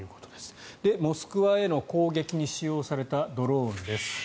モスクワへの攻撃に使用されたドローンです。